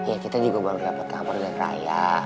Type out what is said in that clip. ya kita juga baru dapet kabar dengan raya